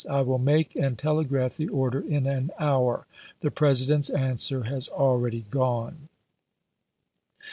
I will make and tele graph the order in an hour. The President's an swer has already gone."